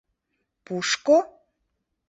«Пушко?..